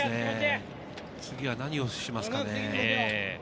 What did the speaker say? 次は何をしますかね？